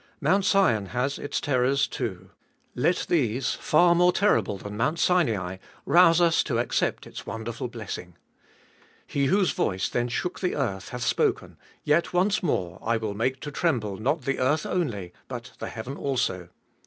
Mount Sion has its terrors too ; let these, far more terrible than Mount Sinai, rouse us to 33 514 abe tooliest of ail accept its wonderful blessing. He whose voice then shook the earth, hath spoken, Yet once more, I will make to tremble not the earth only, but the heaven also.